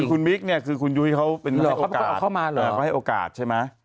คุณมิ๊กเนี่ยคือคุณยุ้ยเขาเป็นเลขก็ให้โอกาสใช่ไหม